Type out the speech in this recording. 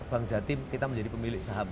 bank jatim kita menjadi pemilik saham